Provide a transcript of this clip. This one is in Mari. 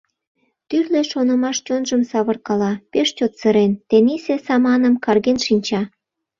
Тӱрлӧ шонымаш чонжым савыркала, пеш чот сырен, тенийсе саманым карген шинча.